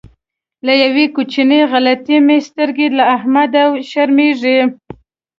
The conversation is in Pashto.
له یوې کوچنۍ غلطۍ مې سترګې له احمده شرمېږي.